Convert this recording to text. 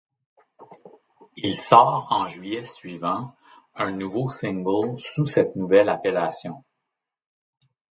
Il sort en juillet suivant un nouveau single sous cette nouvelle appellation.